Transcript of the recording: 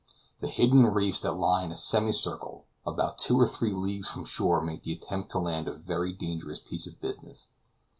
The hidden reefs that lie in a semicircle about two or three leagues from shore make the attempt to land a very dangerous piece of business.